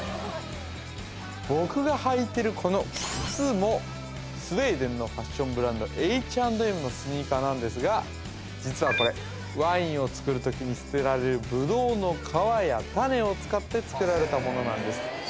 僕が履いてるこの靴もスウェーデンのファッションブランドＨ＆Ｍのスニーカーなんですが実はこれワインをつくる時に捨てられるブドウの皮や種を使って作られたものなんです